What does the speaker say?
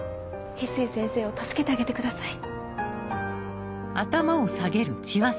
翡翠先生を助けてあげてください。